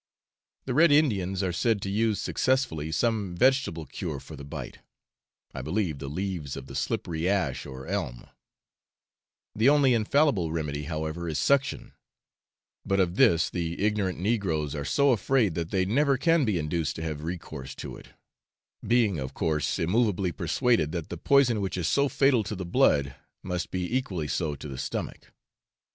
The Red Indians are said to use successfully some vegetable cure for the bite, I believe the leaves of the slippery ash or elm; the only infallible remedy, however, is suction, but of this the ignorant negroes are so afraid, that they never can be induced to have recourse to it, being of course immovably persuaded that the poison which is so fatal to the blood, must be equally so to the stomach.